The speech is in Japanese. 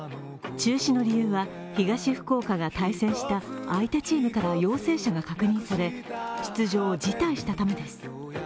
中止の理由は、東福岡が対戦した相手チームから陽性者が確認され、出場を辞退したためです。